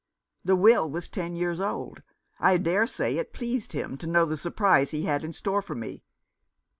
The will was ten years old. I dare say it pleased him to know the surprise he had in store for me.